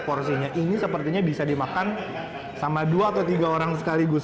porsinya ini sepertinya bisa dimakan sama dua atau tiga orang sekaligus